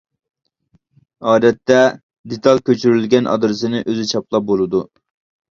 ئادەتتە دېتال كۆچۈرۈلگەن ئادرېسنى ئۆزى چاپلاپ بولىدۇ.